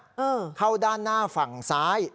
เออเข้าด้านหน้าฝั่งซ้าย